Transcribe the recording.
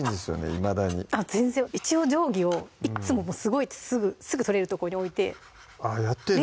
いまだに一応定規をいっつもすごいすぐ取れるとこに置いてあっやってんですか？